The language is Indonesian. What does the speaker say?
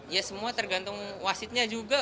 ya semua tergantung wasitnya juga